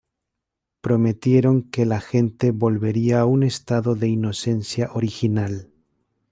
Prometieron que la gente volvería a un estado de inocencia original.